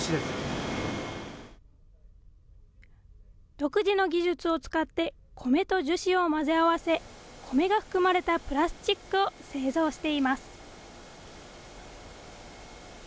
独自の技術を使って、コメと樹脂を混ぜ合わせ、コメが含まれたプラスチックを製造しています。